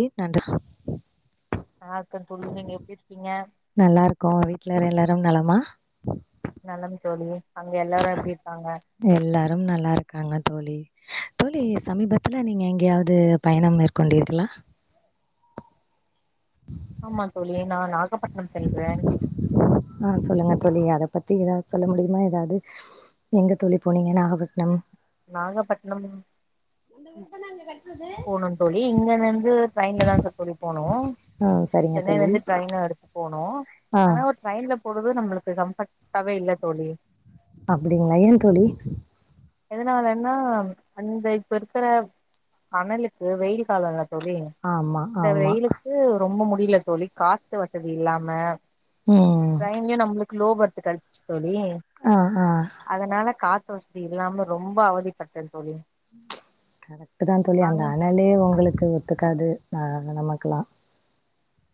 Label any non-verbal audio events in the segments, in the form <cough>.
ஏ நன்றி நல்லா இருக்க தோழி நீங்க எப்டி இருக்கீங்க ரும் நலமா நலம் தோழியே அங்க எல்லாரு எப்டிருக்காங்க லாரும் நல்லாருக்காங்க தோளி தோளி சமீபத்ல நீங்க எங்கேயாவது பயணம் மேற்கொண்டீர்களா ஆமா தோளி நா நாகப்பட்டினம் சென்றே ஆ சொல்லுங்க தோழி. அத பத்தி ஏதாவது சொல்ல முடியுமா ஏதாவது எங்க தோழி போனீங்க நாகப்பட்னம் நாகப்பட்டினம் ம் போனோ தோழி இங்கெருந்து ட்ரையின்ல தா தோளி போனோ ஆ சரிங்க தோழி. சென்னைலிருந்து ட்ரைன்ல அடுத்து போனு ஆ ஆனா ஒரு ட்ரயின்ல பொழுது நம்மளுக்கு கம்ஃபர்ட்டாவே இல்ல தோளி அப்படிங்களா ஏன் தோழி எதனாலன்னா அந்த இப்ப இருக்கற அனலுக்கு வெயில் கால வேர தோழி ஆமா, இந்த ஆமா. வெயிலுக்கு ரொம்ப முடி முடியில தோளி காத்து வசதி இல்லாம ம். ட்ரையின்லியு நம்ளுக்கு ளோ பர்த்து <unintelligible> தோளி ஆ, ஆ. அதனால காத் வசதி இல்லாம ரொம்ப அவதிப்பட்டது கரெக்ட்டு தா தோழி அந்த அங்க அனலே உங்களுக்கு ஒத்துக்காது ஆ நமக்கலா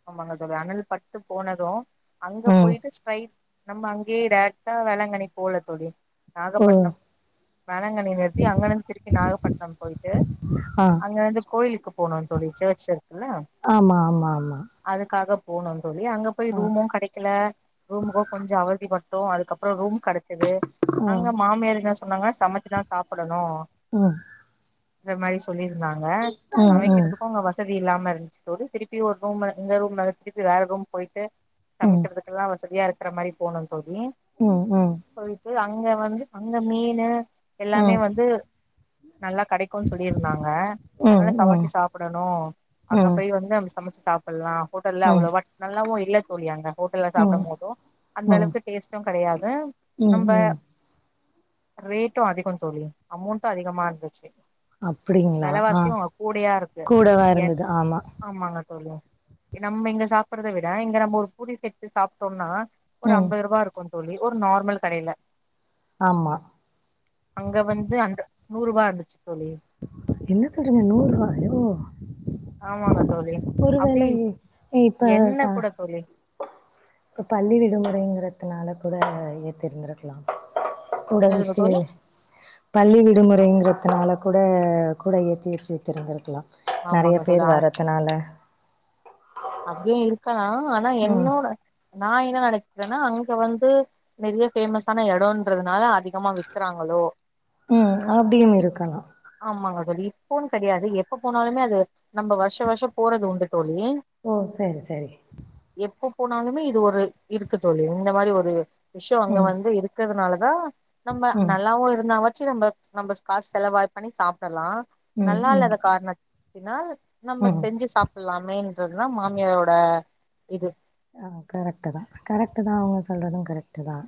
ஆமாங்க தோளி அனல் பட்டு போனது அங்க ம். போயிட்டு ஸ்ரை நம்ம அங்கேயே டேரெக்ட்டா வேளாங்கண்ணி போல தோளி ஓ! நாகப்பட்டினம் வேளாங்கண்ணி நிறுத்தி அங்கனிருந்து திருப்பி நாகப்பட்டினம் போயிட்டு ஆ. அங்க இருந்து கோயிலுக்கு போணோம் தோளி சேச்ருக்குல்ல ஆமா, ஆமா, ஆமா. அதுக்காக போனோம் தோளி அங்க போய் ஆ, ரூமு கடைக்கில ரூமுக்கு கொஞ்சோ அவதி பட்ட தோ அதுக்கப்பறோ ரூம் கடச்சது ஆ, அங்க மாமியாரென்ன சொன்னாங்க சமைச்சுதா சாப்படணு ம். இந்த மாரி சொல்லி இருந்தாங்க ம் ம் சமைக்கிறத்துக்கு அங்க வசதி வசதி இல்லாம இருஞ்சுதோழி திருப்பியு ஒரு ரூம்ல இருந்து ரூம்ம வெச்சுட்டு வேற ரூம் போயிட்டு ம் சமைக்கிறத்துக்கெல்லா வசதியா இருக்கு கிற மாறி போணோம் போயி ம் ம் போயிட்டு அங்க வந்து அங்க மீனு ம் ம் எல்லாமே ம் வந்து நல்லா கடைக்குன் சொல்லியிருந்தாங்க அதனால ம் ம் சமச்சி சாப்புடணு அங்க போய் வந்து நம்ம சமச் சாப்புல்லா ஹோட்டல்ல அவளோவ நல்லாவு இல்ல தோழி அங்க ஹோட்டல்ல ம் சாப்டுமோதும் ம் ம் அந்தளவுக்கு டேஸ்ட்டு கடையாது நம்ப ம் ரேட்டு அதிகோ தோழி அமோண்ட்டு அதிகமா இருந்துச்சு அப்டிங்ளா வெலவாசியு அங்க கூடயா இருக்கு கூடவா எ இருந்துது ஆமா ஆமாங்க தோழி, நம்ம இங்க சாப்பட்றத விட இங்க நம்ம ஒரு பூரி செட்டு சாப்ட்டோம்னா ஒரு ம் அம்பது ரூபா இருக்கு தோழி ஒரு நார்மல் கடையில ஆமா அங்க வந்து அந்த நூறுரூவா இருந்துச்சு தோழி என்ன சொல்றீங்க நூறு ரூவாயோ ஆமாங்க தோழி அப்டி, இப்ப என்ன ச கூட தோழி இப்ப பள்ளி விடுமுறைங்கறதுனால கூட ஏத்திருந்திருக்லா கூட என்னதுங்க வித்து தோழி பள்ளி வி விடுமுறைங்கிறத்துனால கூட கூட ஏத்தி வச்சி வித்துருந்திருக்லா நெறைய பேரு வர்றதுனால அப்டியும் இருக்கலா ஆனா ம் என்னோட நா என்ன நெனைக்கிறனா அங்க வந்து நெறைய பேமஸ்ஆனா எடம்ன்றதுனால அதிகமா விக்கறாங்களோ ம்ம்ம்ம் அப்டியும் இருக்கலா <unintelligible> இப்போன்னு கெடையாது எப்ப போனாலுமே அது நம்ம வருஷோ வருஷோ போறது உண்டு தோழி ஓ சரி சரி... எப்போ போனாலுமே இது ஒரு இருக்கு தோழி இந்த மாரி ஒரு விஷயோ அங்க ம் வந்து இருக்கிறதுனால ஆ <inaudible> நம்ம ம் நல்லாவோ இருந்தாவ <unintelligible> நம்ம காஷ் செலவாய் பண்ணி சாப்டலாம் ம் நல்லா ம் இல்லாத கார்னாத் தினா நம்ம ம் செஞ்ஜி சாப்டலாமே இதெல்லா மாமியாரோட இது ஆ கரெக்ட் தா கரெக்ட் தா அவுங்க சொல்றதும் கரெக்ட் தான்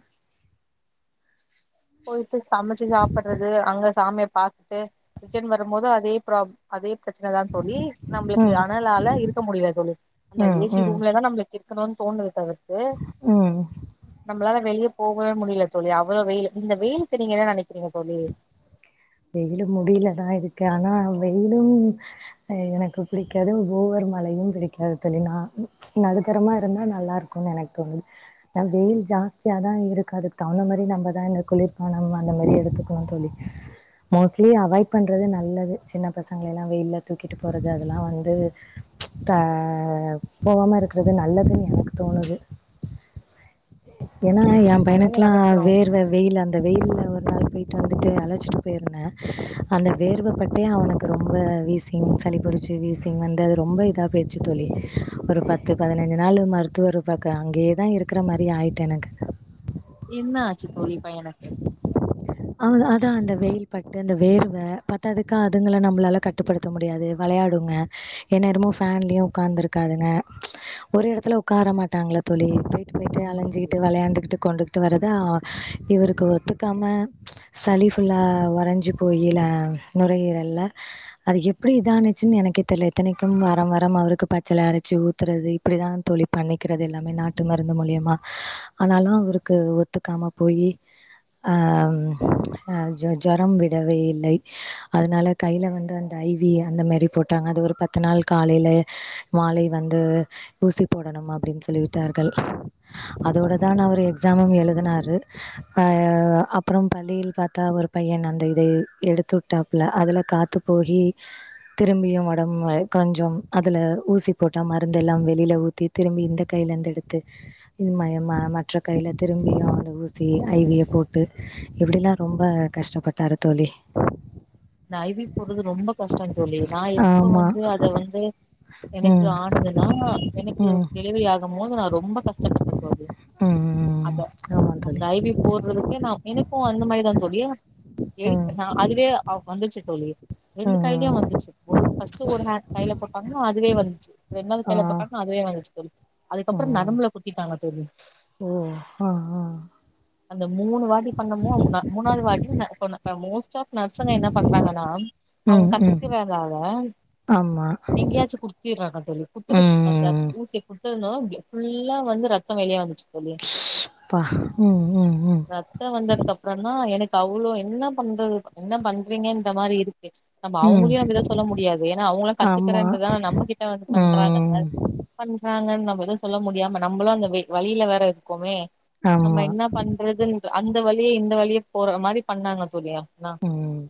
போயிட்டு சமைச்சு சாப்புறது அங்க சாமிய பாத்துட்டு ரிட்டன் வரும்போது அதே ப்ரா அதே பிரச்சனதா தோழி நம்மளுக்கு ம் அனலால இருக்க முடியல தோழி அந்த ம் ஏசி ம் ரூம்லதா நம்மளுக்கு கமான் தோண்விப்பாங்க து ம் நம்ளால வெளிய போகவே முடியல தோழி அவ்ளோ வெயில் இந்த வெயிலுக்கு நீங்க என்ன நெனக்கிறீங்க தோழி வெயிலு முடியிலதா இருக்கு ஆனா வெயிலு அ எனக்கு பிடிக்காது ஓவர் மழையு பிடிக்காது தோழி நா நடுத்தரமா இருந்தா நல்லா இருக்குன்னு எனக்கு தோணுது அ வெயில் ஜாஸ்தியாதா இருக்கு அதுக்கு தகுந்த மாரி நம்மதா இந்த குளிர்பானம் அந்த மாரி எடுத்துக்கணு தோழி மோஸ்ட்லி அவாய்ட் பண்றது நல்லது சின்ன பசங்கள எல்லா வெயில தூக்கிட்டு போறது அதெல்லா வந்து ஆ போவாம இருக்கிறது நல்லதுன்னு எனக்கு தோணுது ஏன்னா எ நல்லது பையனுக்கெல்லா நெனைக்கிறோ வேர்வ வெயில் அந்த வெயில்ல அவ வேலைக்கு போயிட்டு வந்துட்டு அழச்சிட்டு இருந்தே அந்த வேர்வ பட்டே அவனுக்கு ரொம்ப வீசிங் சளிபுடிச்சு வீசிங் வந்து அது ரொம்ப இதா போச்சு தோழி ஒரு பத்து பதினஞ்சு நாள் மருத்துவர பாக்க அங்கேயேதா இருக்குற மாரி ஆயிட்டு எனக்கு என்னாச்சு தோழி பையனுக்கு அ அதா அந்த வெயி வி பட்டு அந்த வேர்வ பத்தாததுக்கு அதுங்கல நம்ளால கட்டுப்படுத்த முடியாது வெளையாடுங்க என்னேரமு ஃபேன்லையே உக்கார்ந்துருக்காதுங்க ஒரு ஏடத்துல உக்கார மாட்டாங்கள தோழி போயிட்டு ஆமாங்க அழஞ்சிட்டு தோழி வெளையாண்டுகுட்டு கொண்டு ட்டு வருதா இவருக்கு ஒத்துக்காம சளி ஃபுல்லா உரஞ்சி போயில நுரையீரல்ல அது எப்டி இதானுச்சுன்னு எனக்கே தெரியல எத்தனைக்கும் வாரம் வாரம் அவருக்கு பச்சள அரைச்சி ஊத்துறது இப்டிதா தோழி பண்ணிக்கிறது எல்லாமே நாட்டு மருந்து மூலயமா ஆனாலு அவருக்கு ஒத்துக்காம போய் ஆ அ ஜ ஜரம் விடவே இல்லை அதனால கைல வந்து அந்த ஐவி அந்த மாரி போட்டாங்க அது ஒரு பத்து நாள் காலில மாலை வந்து ஊசி போடணும் அப்படின்னு சொல்லி விட்டார்கள் அதோடதான் அவர் எக்ஸாமும் எழுதினாரு ஆ அப்புறம் பள்ளியில் பாத்தா அவர் பையன் அந்த இதை எடுத்து வுட்டாப்ல அதுல காத்து போகி திரும்பியு உடம்பு கொஞ்சம் அதுல ஊசி போட்டா மருந்தெல்லாம் வெளில ஊத்தி திரும்பி இந்த கைலந்து எடுத்து இமமா மற்ற கைல திரும்பியு அந்த ஊசி ஐ வி ய போட்டு இப்டிலா ரொம்ப கஷ்டப்பட்டாரு தோழி இந்த ஐவி போட்றது ரொம்ப கஷ்டந் தோழி நா எப்ப ஆமாம் வந்து அத வந்து எனக்கு ம் ஆனதுனா எனக்கு ம் டெலிவரி ஆகம் போது நா ரொம்ப கஷ்டப்பட்ட தோழி ம் ம் அத ஆமாம் அந்த தோழி ஐவி போட்றதுக்கே நா எனக்கு அந்த மாரிதா தோழி எடுக் ம் நா அதுவே அவ் வந்துச்சு தோழி ரெண்டு ம் கையிலயு வந்துச்சு ஒரு ஃபஸ்ட்டு ஒரு நாள் கைல போட்டாங்க அதுவே வந்துச்சு ரெண்டாவ்து ஆ கைல போட்டாங்க அதுவே வந்துச்சு தோழி அதுக்கப்றோ ம் நரம்புல குத்திட்டாங்க தோழி ஓ ஆ ஆ அந்த மூணு வாட்டி பண்ணமோ அப்டி தா மூணாவது வாட்டியு ந இப்பனா மோஸ்ட் ஆஃப் பசங்க என்ன பண்றாங்கன்னா அவங்க கத்துறதால ஆமா ட்றாங்க தோழி குத்திட்டு அந்த ஊசிய குத் த்தணு ஃபுல்லா வந்து ரத்தொ வெளிய வந்துச்சு தோழி பா ம் ம் ம் ரத்தோ வந்ததுக்கப்றொந்தா எனக் கு அவ்ளோ என்ன பண்றது என்ன பண்றீங்கன்ற மாரி இரு கு நம்ம ம் அவங்களையு அதலா சொல்ல முடியாது ஏனா அவங்களு கத்துக்கறேன்டு ஆமாம் தான நம்ம கிட்ட வந்து பண்றாங்கன்ன ம் பண்றாங்கன் ந எது சொல்ல முடியாம நம்மளு அந்த வெ வலில வேற இருக்கோமே நம்ம ஆமாம் என்ன பண்றதுன் அந் த வழியே இந்த வழியே போற மாரி பண்ணாங்க தோழி ஆனா ம்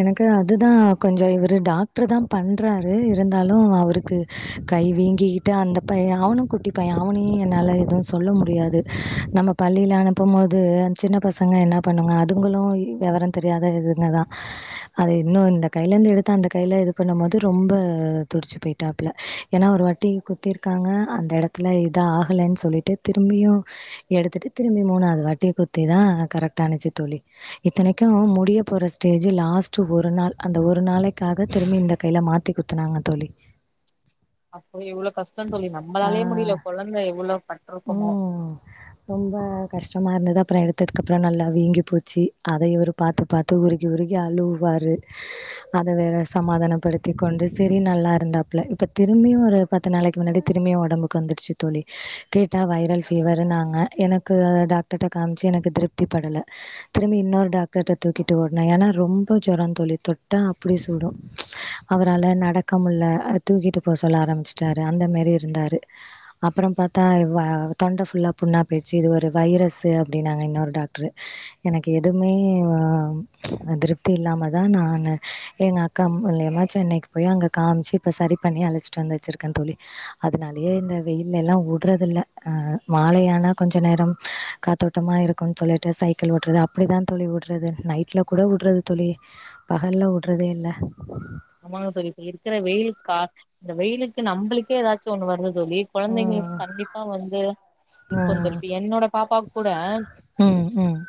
எனக்கு அதுதா கொஞ்சோ இவரு டாக்டரு தா பண்றாரு இருந்தாலு அவருக்கு கை வீங்கிக்கிட்டு அந்த பைய அவனு குட்டி பைய அவனையு என்னால எதுவு சொல்ல முடியாது நம்ம பள்ளில அனுப்பும் போது சின்ன பசங்க என்ன பண்ணுங்க அதுங்களு வெவரோ தெரியாத இதுங்கதா அது இன்னு இந்த கையில இருந்து எடுத்து அந்த கைல இது பண்ணம் போது ரொம்ப துடிச்சு போயிட்டாப்ல ஏனா ஒரு வாட்டி குத்தி இருக்காங்க அந்த எடத்துல இத ஆகலன் சொல்லிட்டு திரும்பியு எடுத்துட்டு திரும்பி மூணாது வாட்டி குத்திதா கரெக்ட் ஆனுச்சு தோழி இத்தனைக் க்கு முடிய போற ஸ்டேஜ் லாஸ்ட்டு ஒரு நாள் அந்த ஒரு நாளைக்காக திரும்பி இந்த கைல மாத்தி குத்துனாங்க தோழி அப்போ எவ்வளோ கஷ்டோ தோழி நம்மளாலே ஆ. முடில கொழந்த எவ்வளோ பட்ருக்குமோ ம். ரொம்ப கஷ்டமா இருந்துது அப்புறோ எடுத்ததுக்கு அப்புறோ நல்லா வீங்கி போச்சு அத இவரு பாத்து பாத்து உருகி உருகி அழுவுவாரு அத வேற சமாதானப்படுத்தி் கொண்டு சரி நல்லா இருந்தாப்ல இப்ப திரும்பியு ஒரு பத்து நாளைக்கு முன்னாடி திரும்பியு ஒடம்புக்கு வந்துடுச்சி தோழி கேட்டா வைரல் ஃபீவருனாங்க எனக்கு டாக்டர்க்ட காம்ச்சு எனக்கு திருப்தி படல திரும்பி இன்னொரு டாக் டர்ட்ட தூக்கிட்டு ஓட்ன ஏனா ரொம்ப ஜொரோ தோழி தொட்டா அப்டி சுடு அவரால நடக்கமுல்ல அவர தூக்கிட்டு போ சொல்ல ஆரம்பிச்சுட்டாரு அந்த மாரி இருந்தாரு அப்பறோ பாத்தா வா தொண்ட ஃபுல்லா புண்ணா போய்ச்சு இது ஒரு வைரஸு அப்டினாங்க இன்னொரு டாக்டரு எனக்கு எதுமே ஆம் எ திருப்தி இல்லாம தா நானு எங்க அக்கா மூலியமா சென்னைக்கு போய் அங்க காம்ச்சு இப்ப சரி பண்ணி அழச்சிட்டு வந்து வச்சிருக்க தோழி அதுனாலயே இந்த வெயில்லல்லா உடுறதில்ல அ மாலையானா கொஞ்ச நேரம் காத்தோட்டமா இருக்கும் சொல்லிட்டு சைக்கிள் ஓட்டுறது அப்டிதா தோழி உடு றது நைட்ல கூட உட்றது தோழி பகல்ல உட்றதே இல்ல ஆமாங்க தோழி இப்ப இருக்குற வெயிலுக்கா இந்த வெயிலுக்கு நம்ளுக்கே ஏதாச்சு ஒண்ணு வருது தோழி ம் கொழந்தைங்களுக்கு கண்டிப்பா வந்து இருப்போ தோழி ம் இப்போ என்னோட பாப்பாக் கூட ம் ம்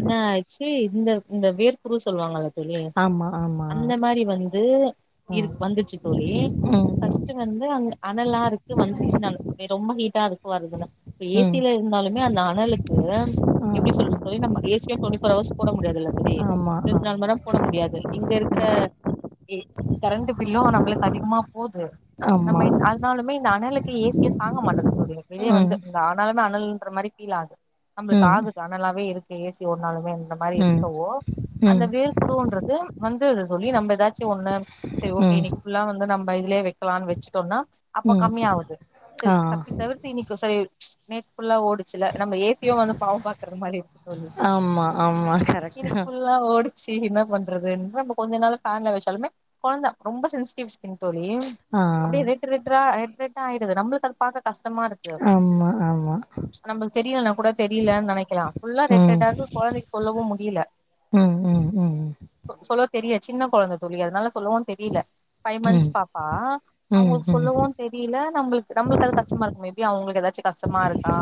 என்ன ஆச்சு இந்த இந்த வேற்குரு சொல்வாங்கல்ல தோழி ஆமா ஆமா அந்த மாரி வந் து ஆ இரு வந்துச்சு தோழி் ம் ஃபஸ்டு வந்து அங்க அனல்லா இருக்கு வந்துச்சு நன தோழி ரொம்ப ஹீட்டா இருக்கு வருதுனா இப்ப ஏ சி ம் ல இருந்தாலுமே அந்த அனலுக்கு ஆ எப்டி சொல்ற தோழி நம்ம ஏ சி ய ட்வெண்ட்டி ஃபோர் அவர்ஸ் போட முடியதுல்ல தோழி ஆமா இருவத் நாலு ஆமா மண் நேர போட முடியாது இங்க இருக்கிற கரண்ட் பில்லு நம்மளுக்கு அதிகமா போது ஆமா நம்ம இ அதனாலுமே இந்த அனலுக்கு ஏ சி யு தாங்க மாட்டது தோழி வெளிய ம் வந்து இந்த அனல் அனலுன்ற மாரி ஃபீல் ஆது நம்மளுக்கு ம் ஆகுது அனலாவே இருக் ஏ சி ஓடுனாலுமே இந்த மாரி ம் இருக்கவு அந்த ம் வேர்க்குருன்றது வந் துருது தோழி நம்ப ஒன்ன சேரி ஓகே ம் இன்னைக்கு ஃபுல்லா வந்து நம் பயதிலேயே வை க்கலானு வச்சுட்டோன்னா அப்ப ம் கம்மியாவுது செரி ஆ தப்பி தவிர்த்து இன்னைக்கு செ நேத்து ஃபுல்லா ஓ டுச்சுல்ல நம்ம ஏ சி யு வந்து பாவ பாக்குற மாரி இருக்கு தோழி ஆமா ஆமா கரெக்ட் இன்னைக்கு தா ஃபுல்லா ஓடுச் சி என்ன பண்றதுன் நம்ம கொஞ்ச நேர ஃபேன்ல வெச் சாலுமே கொழந்த ரொம்ப சென்சிட்டிவ் தோழி ஆ அப்டியே ரெட் ரெட்ரா ரெட் ரெட் ரா ஆயிடுது நம்ளுக் அத பாக்க கஷ்டமா இருக்கு ஆமா ஆமா நம்மளுக்கு தெரியலனா கூட தெரியலுனு நெனைக்கலா ஃபுல்லா ரெட்டு ம் ரெட்டா இருக்கு கொழந்தைக்கு சொல்லவு முடியல ம் ம் ம் சொ சொல்ல தெரியாது சின்ன கொழந்த தோழி அதனால சொல்லவு தெரில ஃபைவ் ம் மன்த்ஸ் பாப்பா அவங்களுக்கு ம் சொல்லவு தெரில நம்ளு நம்ளுக்கு அது கஷ்டமா இருக்கு மே பி அவங்களுக்கு எதாச்சி கஷ்டமா இருக்கா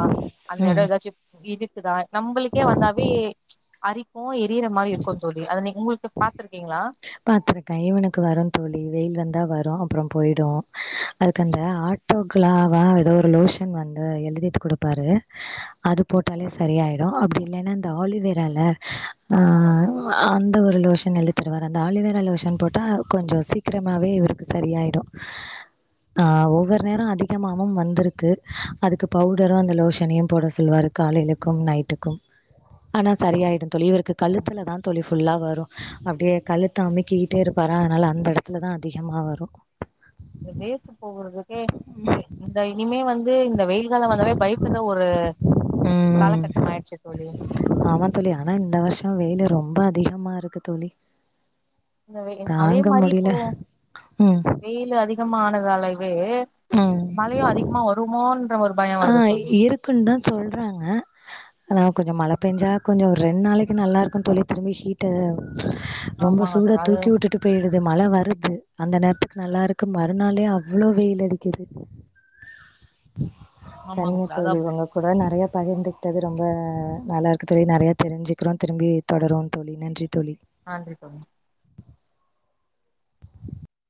அந்த ம் எட ம் எதாச்சி இது இருக்குதா நம்மளுக்கே வந்தாவே அரிப் கு எரியற மாரி இருக்கு தோழி அத நீ உங்களுக்கு பாத் துருக்கிங்ளா பாத்துருக்கே இவுனுக்கு வரு தோழி வெயில் வந்தா வரு அப்புற போயிடு அதுக்கு அந்த ஆட்டோக்ளாவா ஏதோ ஒரு லோஷன் வந்து எழுதிட்டு குடுப்பாரு அது போட்டாலே சரியாயிடு அப்படி இல்லேனா அந்த ஆலிவேரால ஆ ஆமாங்க தோழி அந்த ஒரு லோஷன் எழு தி தருவார் அந்த ஆலிவேரா லோஷன் போட்டா கொஞ்ச சீக்கிரமாவே இவருக்கு சரியாயிடு ஆ ஒவ்வொரு நேர அதிகமாவும் வந்துருக்கு அதுக்கு பவுடரு அந்த லோஷனையு போட சொல்லுவாரு காலைலக்கும் நைட்டுக்கும் ஆனா சரியாயிடு தோழி இவருக்கு ஆமாங்க. கழுத்திலதா தோழி ஃபுல்லா வரு அப்டியே கழுத்த அமிக்கிக்கிட்டே இருப்பாரா அதனால அந்த எடத்துலதா அதிகமா வரு இந்த வேர்த்து போகுறதுக்கே இப்ப இந்த இனிமே வந்து இந்த வெயில்கால வந்தாவே பயப்புட்ற ஒரு ம். காலகட்டமாயிடுச்சு தோழி ஆமா தோழி. ஆனா இந்த வருஷம் வெயிலு ரொம்ப அதிகமா இருக்கு தோழி இந்த வெ அதே தாங்க மாரி இப்போ முடியல. ம். வெயில் அதிகமானதால வே ம். மழையு அதிகமா வருமோனு ஆ இருக்குன்னுதா சொல்றாங்க ஆனா கொஞ்சோ மழ பேஞ்சா கொஞ்சோ ரெண்நாளைக்கு நல்லாயிருக்கு தோழி திரும்பி ஹீட்டு ரொம்ப ஆமாங்க சூட தோழி அது தூக்கி வுட்டுட்டு போயிடு து மழ வருது அந்த நேரத்துக்கு நல்லா இருக்கு மறுநாளே அவ்ளோ வெயில் அடிக்குது ஆமாங்க சரிங்க அதா தோழி உங்க கூட நறைய பகிர்ந்துக்கிட்டது ரொம்ப நல்லாருக்கு தோழி நறையா தெரிஞ்சிக்றோ திரும்பி தொடருவோ தோழி, நன்றி தோழி, நன்றி தோழி